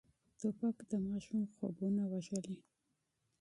توپک د ماشوم خوبونه وژلي.